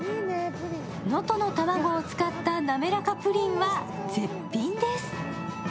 能登の卵を使ったなめらかプリンは絶品です。